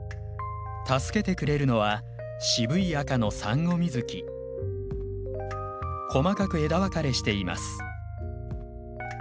助けてくれるのは渋い赤の細かく枝分かれしています。